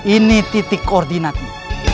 ini titik koordinatnya